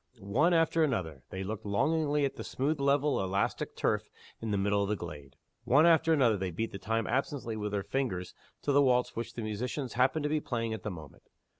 One after another they looked longingly at the smooth level of elastic turf in the middle of the glade. One after another they beat time absently with their fingers to the waltz which the musicians happened to be playing at the moment.